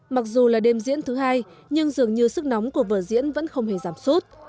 mặc dù là đêm diễn thứ hai nhưng dường như sức nóng của vở diễn vẫn không hề giảm sút